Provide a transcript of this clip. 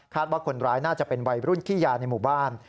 ว่าคนร้ายน่าจะเป็นวัยรุ่นขี้ยาในหมู่บ้าน